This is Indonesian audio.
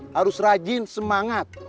harus rajin semangat